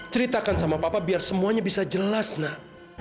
ceritakan sama papa biar semuanya bisa jelas nak